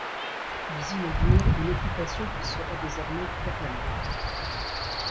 Ils inaugurent une occupation qui sera désormais permanente.